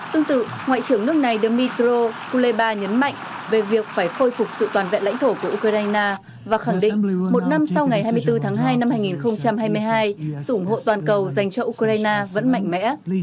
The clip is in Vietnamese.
tương tự ngoại trưởng nước này demytro uleba nhấn mạnh về việc phải khôi phục sự toàn vẹn lãnh thổ của ukraine và khẳng định một năm sau ngày hai mươi bốn tháng hai năm hai nghìn hai mươi hai sự ủng hộ toàn cầu dành cho ukraine vẫn mạnh mẽ